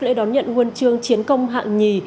lễ đón nhận nguồn trương chiến công hạng nhì